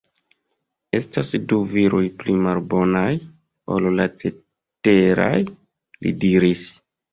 Estas du viroj pli malbonaj ol la ceteraj” li diris.